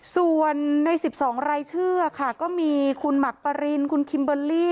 ส่วนใน๑๒รายชื่อค่ะก็มีคุณหมักปรินคุณคิมเบอร์รี่